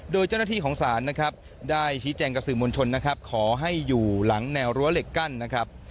โดยเจ้าหน้าที่ของศาลนะครับได้ชี้แจงกับสื่อมวลชนนะครับขอให้อยู่หลังแนวรั้วเหล็กกั้นนะครับ